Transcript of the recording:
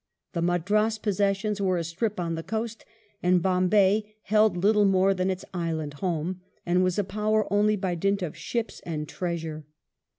The Madras possessions were a strip on the coast; and Bombay held little more than its island home, and was a power only by dint of ships and treasure.